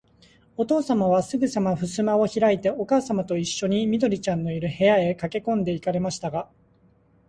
おとうさまは、すぐさまふすまをひらいて、おかあさまといっしょに、緑ちゃんのいる、部屋へかけこんで行かれましたが、